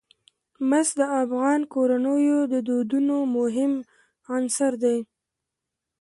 مس د افغان کورنیو د دودونو مهم عنصر دی.